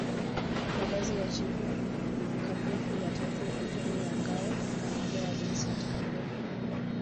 Mavazi ya Chifu Kapufi wa tatu Antony wa Ngao amepewa Vicent Kafumu